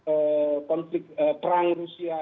dan tentu kepentingan kepentingan nasional akan berubah